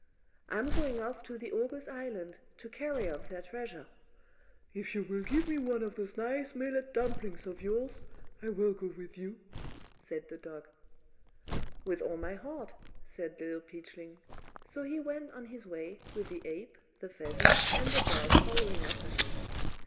"I'm going off to the ogres' island, to carry off their treasure." "If you will give me one of those nice millet dumplings of yours, I will go with you," said the dog. [Illustration: LITTLE PEACHLING.] "With all my heart," said Little Peachling. So he went on his way, with the ape, the pheasant, and the dog following after him.